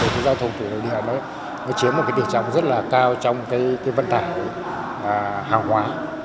cái giao thông thủy nội địa nó chiếm một cái tỉ trọng rất là cao trong cái vận tải hàng hóa